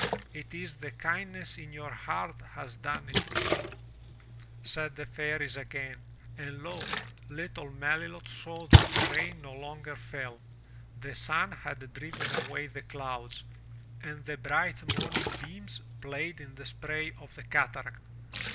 "It is the kindness in your heart has done it all," said the Fairies again. And lo! little Melilot saw that the rain no longer fell. The sun had driven away the clouds, and the bright morning beams played in the spray of the cataract.